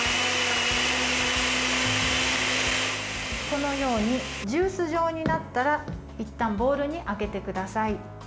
このようにジュース状になったらいったんボウルにあけてください。